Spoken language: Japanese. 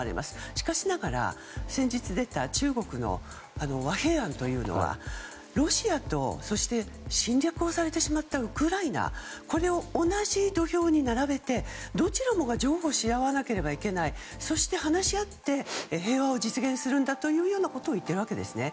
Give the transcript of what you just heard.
しかしながら、先日出た中国の和平案というのはロシアとそして侵略をされてしまったウクライナを同じ土俵に並べてどちらも譲歩しなければならないそして、話し合って平和を実現するんだということを言っているわけですね。